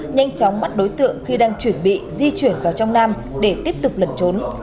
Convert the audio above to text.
nhanh chóng bắt đối tượng khi đang chuẩn bị di chuyển vào trong nam để tiếp tục lẩn trốn